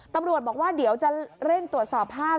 ตำรวจบอกว่าเดี๋ยวจะเร่งตรวจสอบภาพ